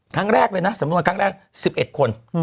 ครั้งแรกเลยนะสำนวนครั้งแรก๑๑คน